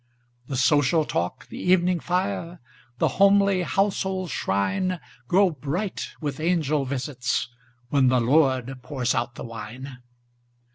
The social talk, the evening fire, The homely household shrine, Grow bright with angel visits, when The Lord pours out the wine.